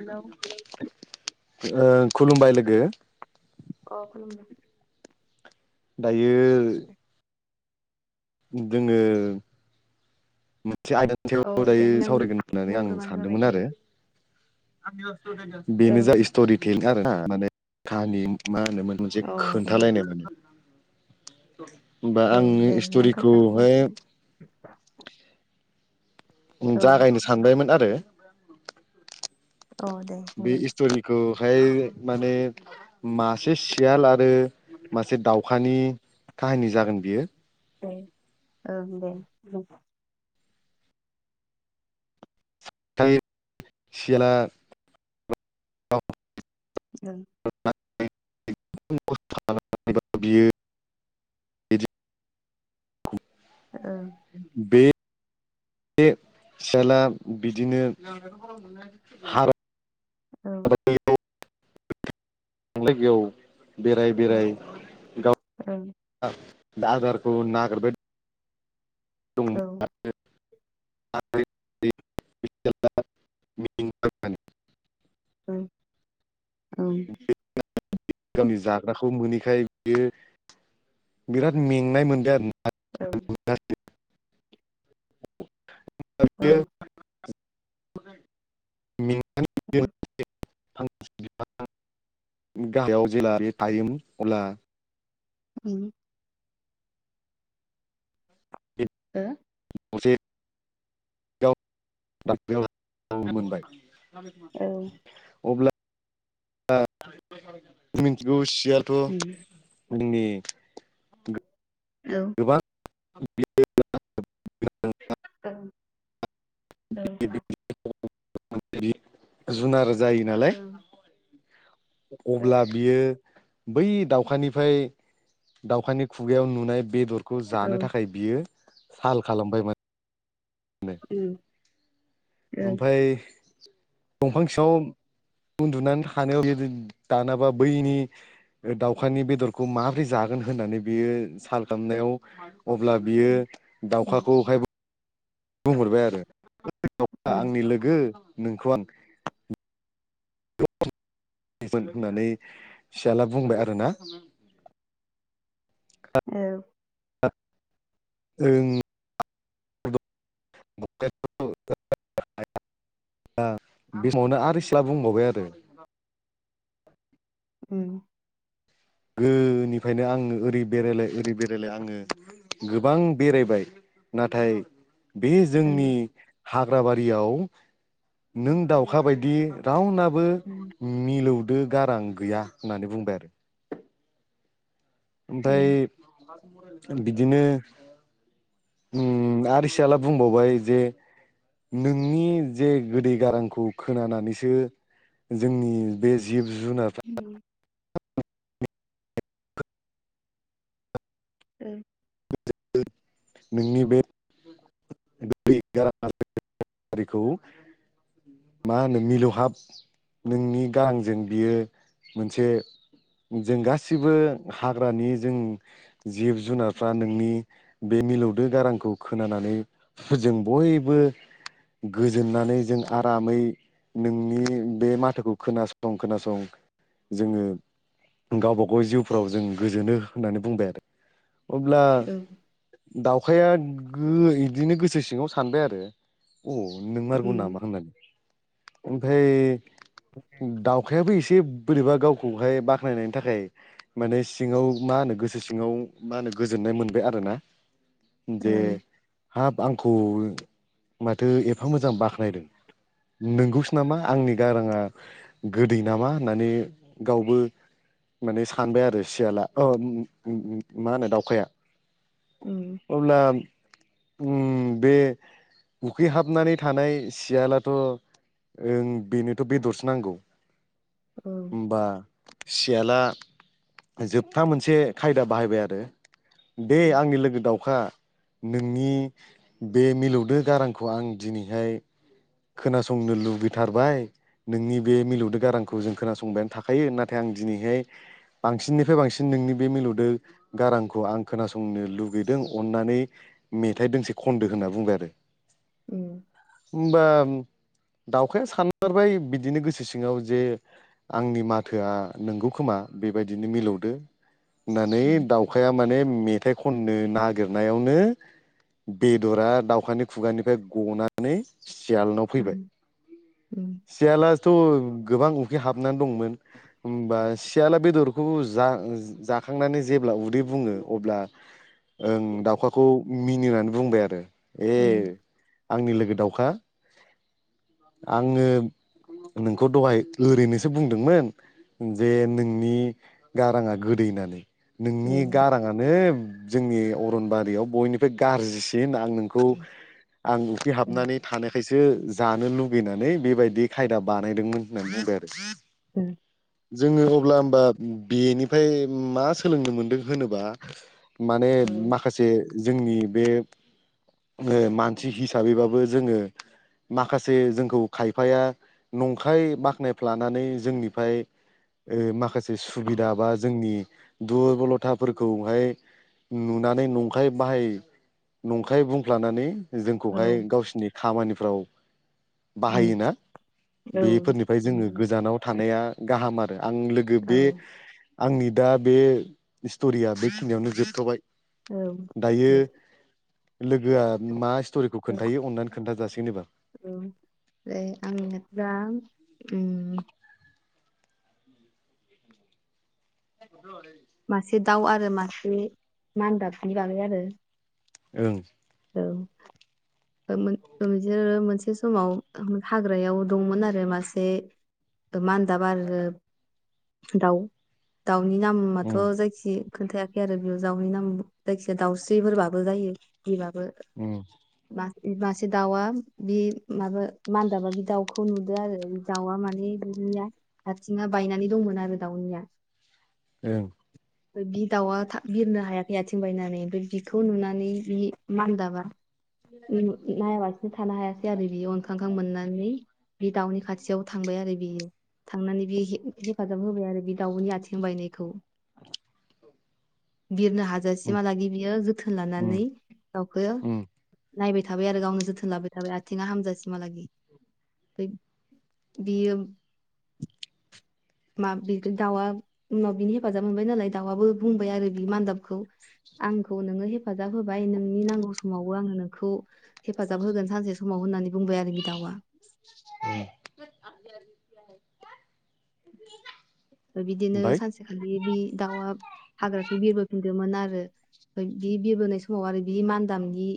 Hello खुलुमबाय लोगो अ खुलुमबाय दायो। जोङो। मोनसे आयदानि औ सायाव दे दायो नों सावरायगोन होननानै आं बुंग्रोबानो सानदोंमोन जाबाय आरो। बेनो ओं जा [unintelligible] मा होनोमोन मोनसे ओं औ खोन्थालायनोमोन। औ दे नों खोनथा स्ट'रिखौहाय जागायनो सानबायमोन आरो। औ दे बे बुंगोन स्ट'रिखौहाय माने मासे सियाल आरो मासे दावखानि काहानि जागोन बियो। औ दे बाय सियाला ओं [unintelligible] बियो ओं बे बे सियाला बिदिनो हार औ थांलाय बेयाव बेराय बेराय ओं गाव आदारखौ नागिरबाय दं औ [unintelligible] औ औ [unintelligible] गावनि जाग्राखौ मोनैखाय बियो बिराद मेंनाय मोनदों आरो। औ ना। [unintelligible] [unintelligible] ओं ओं गाहायाव जेला थायम अला उम हो असे [unintelligible] मोनबाय ओ औ अब्ला [unintelligible] मिन्थिगौ सियाथ' उम ने औ [unintelligible] औ औ [unintelligible] जुनार जायो नालाय ओं अब्ला बियो बै दाउखानिफ्राय दाउखानि खुगायाव नुनाय बेदरखौ जानो औ थाखाय बियो साल खालामबायमोन। उम ओं ओमफाय दंफां सिंङाव उन्दुनानै थानायाव जदि दानाबा बैनि दाउखानि बेदरखौ माबोरै जागोन होननानै बियो साल खालामनायाव अब्ला बियो उम दाउखाखौहायबो बुंहरबाय आरो [unintelligible] उम आंनि लोगो नोंखौ आं [unintelligible] होननानै फसाला बुंबाय आरोना औ [unintelligible] ओं [unintelligible] [unintelligible] [unintelligible] बे समावनो आरि सियालाबो बुंबावबाय आरो उम गोदोनिफ्रायनो आङो ओरै बेरायलाय ओरै बेरायलाय आङो गोबां बेरायबाय नाथाय बे जोंनि ओं हाग्रख बारियाव नों दाउखा बायदि रावना बो उम मिलौदो गारां गैया होननानै बुंबाय आरो। ओमफ्राय बिदिनो उम आरो सियाला बुंबावबाय जे नोंनि जे गोदै गारांखौ खोनानानैसो जोंनि बे जिब जुनारफ्रा उम [unintelligible] नोंनि बे [unintelligible] गारिखौ मा होनो मिलौहाब नोंनि गाहांजों बियो मोनसे जों गासिबो हाग्रानि जों जिब जुनारफ्रा नोंनि बे मिलौदो गारांखौ खोनानानै जों बयबो गोजोननानै जों आरामै नोंनि बे माथोखौ खोनासं खोनासं जोङो गावबाग' जिउफोराव जों गोजोनो होननानै बुंबाय आरो। अब्ला ओं दाउखाया गो इदिनो गोसो सिङाव सानबाय आरो अ नोंमारगौ नामा उम होननानै। ओमफाय दाउखायाबो एसे बोरैबा गावखौहाय बाख्नायनायनि थाखाय माने सिङाव मा होनो गोसो सिङाव मा होनो गोजोन नाय मोनबाय आरोना जे ओं हाब आंखौ माथो एफा मोजां बाख्नायदों। नोंगौसो नामा आंनि गाराङा गोदै नामा होननानै गावबो माने सानबाय आरो सियाला अ उम उम उम उम मा होनो दावखाया। उम अब्ला उम बे उखैहाबनानै थानाय सियालाथ' ओं बेनोथ' बेदरसो नांगौ। उम होनबा सियाला जोबथा मोनसे खायदा बाहायबाय आरो दे उम आंनि लोगो दाउखा नोंनि बे मिलौदो गारांखौ आं दिनैहाय खोनासंनो लुबैथारबाय नोंनि बे मिलौदो गारांखौ जों खोनासंबायानो थाखायो नाथाय आं दिनैहाय बांसिननिफाय बांसिन नोंनि बे मिलौदो गारांखौ आं खोनासंनो लुगैदों अननानै मेथाइ दोंसे खन्दो होनना बुंबाय आरो। उम होमबा दाउखाया सानमारबाय बिदिनो गोसो सिङाव जे आंनि माथोआ नोंगौ खोमा बेबायदिनो मिलौदो नानै उम दाउखाया माने मेथाइ खननो नागिरनायाव नो बेदरा दाउखानि खुगानिफ्राय गनानै सियालनाव फैबाय उम सियालाथ' गोबां उखै हाबनान दंमोन होमबा सियाला बेदरखौ जा-जाखांनानै जेब्ला उदै बुङो अब्ला ओं दाउखाखौ मिनिनानै बुंबाय आरो ए उम आंनि लोगो दाउखा आङो नोंखौ दहाय ओरैनोसो बुंदोंमोन जे नोंनि गाराङा गोदैनानै नोंनि गाराङानो जोंनि अरनबारियाव बयनिफ्राय गारजिसिन आ आं नोंखौ आं उखै हाबनानै थानायाय खायसो जानो लुुगैनानै बेबायदि खायदा बानायदोंमोन होननानै बुंबाय आरो। उम जोङो अब्ला बा बेनिफाय मा सोलोंनो मोनदों होनोबा माने औ माखासे नि बे ओ मानसि हिसाबैबाबो जोङो माखासे जोंखौ खायफाया नंखाय बाख्नाय फ्लानानै जोंनिफाय ओ मा खासे सुबिदा बा जोंनि दुरबलथाफोरखौहाय नुनानै नं खाय बाहाय नंखाय बुंफ्लानानै औ जोंखौहाय गावसिनि खामानिफ्राव बाहायोना औ बेफोरनिफ्राय जोङो गोजानाव थानाया गाहाम आ ओ आं लोगो औ बे आंनि दा बे स्ट'रिया बेखिनियावनो जोबथ'बाय। औ ओ दायो लोगोआ मा स्ट'रिखौ खोन्थायो अननानै खोन्थाजासिगोन एबार। औ ए आं इदबा उम [unintelligible] मासे दाउ आरो मासे मानदाबनि बागै आरो ओं औ [inaudible] ओ मोन ओ बिदिनो मोनसे समाव हाग्रायाव दंमोन आरो मासे मानदाबा आरो दाउ दाउ उनि नामाथ' उम जायखि खोनथायाखै आरो बेयाव दाउनि नाम जायखिजाया दाउस्रिफोरबाबो जायो। बिबाबो उम मा बासे दाउआ बे माबा मान्दाबा बे दाउखौ नुदो आरो दाउआ माने निया आथिङा बायनानै दंमोन आरो दाउनिया ओं बि दाउआ थाब बिरनो हाया खै आथिं बायनानै ओमफ्राय बिखौ नुनानै बि मानदाबा नायाबासिनो थानो हायासै आरो बियो अनखां खां मोननानै बे दाउनि खाथियाव थांबाय आरो बियो थांनानै बे हे हेफाजाब होबाय आरो बे दाउनि आथिं बायनायखौ [inaudible] बिरनो उम हाजासिमहालागै बियो जोथोन लानानै उम दाउखौ उम नायबाय थाबाय आरो गावनो जोथोन लाबाय थाबाय आथिङा हामजासिमहालागि फाय बियो मा बे दाउआ उनाव बिनि हेफाजाब मोनबाय नालाय दाउआबो बुंबाय आरो बि मान्दाबखौ आंखौ नोङो हेफाजाब होबाय नोंनि नांगौ समावबो आङो नोंखौ हेफाजाब होगोन सानसे समाव होननानै बुंबाय आरो बि दावआ [unintelligible] बिदिनो सानसेखालि बे दाउआ हाग्राखै बिरबोफिनदोंमोन आरो ओ बि बिरबोनाय समाव आरो बि मान्दाबनि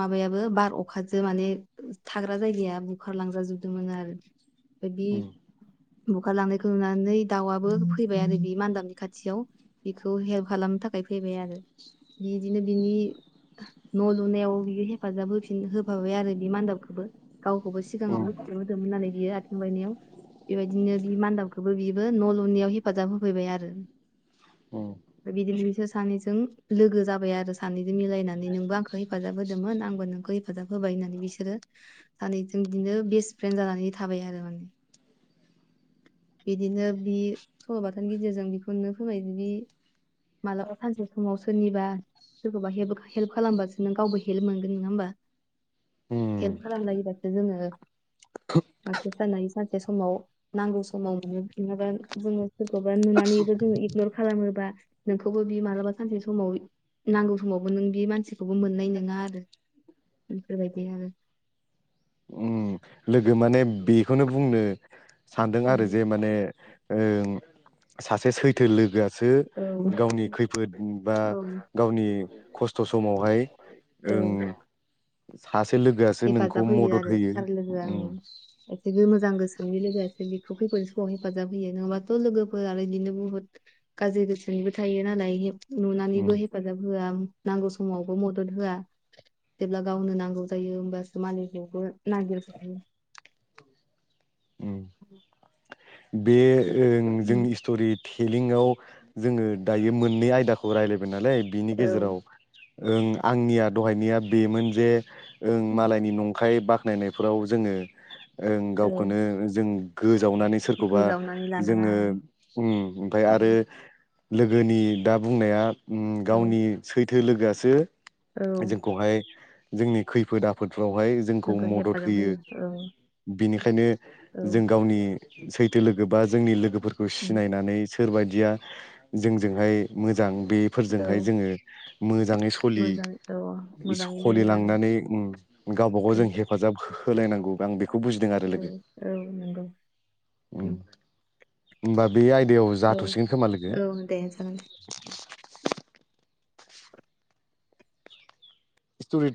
माबायाबो बार अखाजों माने थाग्रा जायगाया बुखारलांजाजोबदोंमोन आरो आमफाय बि उम बुखार लांनायखौ नुनानै दाउआबो फैबाय आरो बि मान्दाबनि खाथियाव बेखौ हेल्प खालामनो थाखाय फैबाय आरो बिदिनो बिनि न' लुनायाव बियो हेफाजाब होफिन होफाबाय आरो बे मान्दाबखौबो गावखौबो उम सिगाङावनो हेफाजाब होदोंमोन नालाय बियो आथिं बायनायाव बेबायदिनो बि मान्दाबखौबो बियो बो न' लुनायाव हेफाजाब होफैबाय आरो उम आमफाय बिदिनो बि सोर सानैजों लोगो जाबाय आरो सानैजों मिलायनानै नोंबो आंखौ हेफाजाब होदोंमोन आंबो नोंखौ हेफाजाब होबाय होननानै बिसोरो सानै जों बिदिनो बेस्ट फ्रेन्ड जानानै थाबाय आरो माने बिदिनो बि सल' बाथानि गेजेरजों बेखौनो फोरमायो दि मालाबा सानसे समाव सोरनिबा सोरखौबा हेब हेल्प खालामबासो नों गावबो हेल्प मोनगोन नङा होमबा हेल्प उम खालामलायोब्लासो जोङो सासे साननै सानसे समाव नांगौ समाव मोनो नङाबा जोङो सोरखौबा नुनानैबो जोङो इगनर खालामोबा नोंखौबो बि मालाबा सानसे समाव नांगौ समावबो नों बे मानसिखौबो मोननाय नोङा आरो बेफोरबायदि आरो ओम लोगो माने बेखौनो बुंनो सानदों आरो जे माने ओं सासे सैथो लोगोआसो औ गावनि खैफोद बा औ गावनि खस्थ' समावहाय ओं औ सासे लोगोआसो नोंखौ हेफाजाब मदद आरो होयो सार लोगोआ उम एकसुलि मोजां गोसोनि लोगो सो बेखौ खैफोदनि समाव हेफाजाब होयो नङाबाथ' लोगोफोर आरो बिदिनो बुहुत गाज्रि गोसोनिबो थायोना नायहेब उम नुनानैबो हेफाजाब होआ नांगौ समावबो मदद होआ जेब्ला गावनो नांगौ जायो मोनबासो मालायखौबो नागिरहैयो उम बे ओं उम, जोंनि स्ट'रि लिंआव जोङो दायो मोननै आयदाखौ रायज्लायबाय नालाय बिनि औ गेजेराव ओ आंनिया दहायनाया बेमोन जे ओं मालायनि नंखाय बाख नायनायफ्राव जोङो औ गावखौनो जों जावनानै सोरखौबा गोजावनानै लानाङा जोंङो आरो। ओमफ्राय आरो उम, लोगोनि दा बुंनाया औ गावनि सैथो लोगोआसो औ जोंखौहाय जोंनि खैफोद आफोद फोरावहाय जोंखौ मदद होयो बिनि ओंखायनो जों औ गावनि सैथो लोगो बा जोंनि लोगोफोरखौ उम, सिनायनानै सोरबायदिया जोंजोंहाय मोजां औ बेफोरजोंहाय जोंङो मोजांङै सलि मोजां औ मोजाङै लोगो जानो सलिलांनानै गावबा गाव औ जों हेफाजाब हो होलायनांगौ आं बेखौ बुजिदों आरो औ लोगो औ नंगौ ओम उम, बे आयदायाव औ जाथ'सिगोन खोमा लोगो औ दे जागोन स्ट'रि